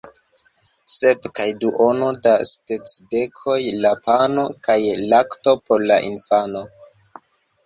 Sep kaj duono da spesdekoj la pano kaj lakto por la infano!